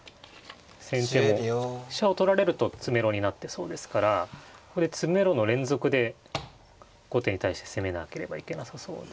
先手も飛車を取られると詰めろになってそうですからここで詰めろの連続で後手に対して攻めなければいけなさそうで。